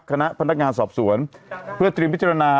ขณะพนักงานสอบส่วน